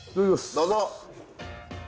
どうぞ！